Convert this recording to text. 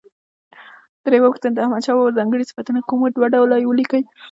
درېمه پوښتنه: د احمدشاه بابا ځانګړي صفتونه کوم و؟ دوه ډوله یې ولیکئ.